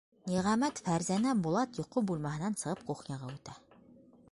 Ниғәмәт, Фәрзәнә, Булат йоҡо бүлмәһенән сығып кухняға үтә.